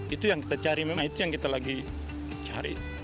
itu yang kita cari memang itu yang kita lagi cari